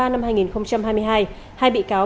năm hai nghìn hai mươi hai hai bị cáo